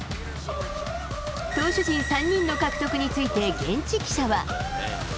投手陣３人の獲得について現地記者は。